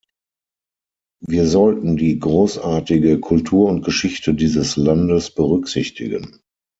Wir sollten die großartige Kultur und Geschichte dieses Landes berücksichtigen.